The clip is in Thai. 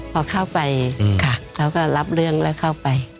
พอเข้าไปค่ะเขาก็รับเรื่องแล้วเข้าไป